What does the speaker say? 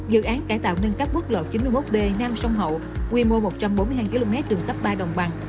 dự án cải tạo nâng cấp quốc lộ chín mươi một b nam sông hậu quy mô một trăm bốn mươi hai km đường cấp ba đồng bằng